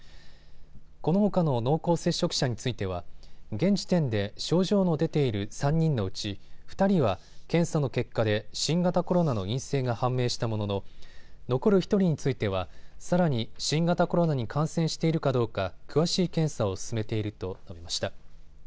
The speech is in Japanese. このほかの濃厚接触者については現時点で症状の出ている３人のうち２人は検査の結果で新型コロナの陰性が判明したものの残る１人についてはさらに新型コロナに感染しているかどうか、詳しい検査を進めていると述べました。